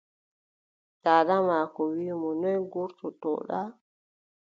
Daada maako wii mo, noy ngurtoto-ɗa?